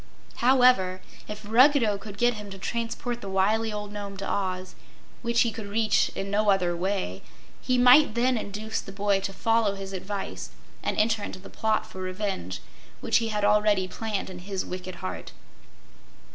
However, if Ruggedo could get him to transport the wily old Nome to Oz, which he could reach in no other way, he might then induce the boy to follow his advice and enter into the plot for revenge, which he had already planned in his wicked heart.